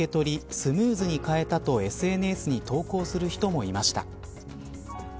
スムーズに買えたとＳＮＳに投稿する人もいました。